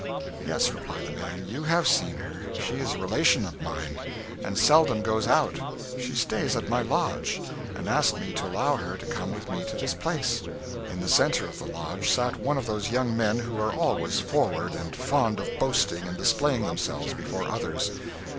'Yes,' replied the man, 'you have seen her; she is a relation of mine, and seldom goes out. She stays at my lodge, and asked me to allow her to come with me to this place.' In the center of the lodge sat one of those young men who are always forward, and fond of boasting and displaying themselves before others.